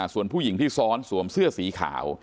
ส่วนผู้หญิงที่ซ้อนสวมเสื้อสีขาว